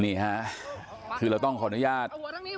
นี่ค่ะเราต้องขอโนยาศ